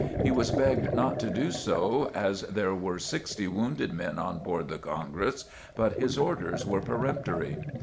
He was begged not to do so as there were sixty wounded men on board the "Congress," but his orders were peremptory.